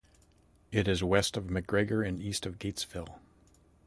It is west of McGregor and east of Gatesville.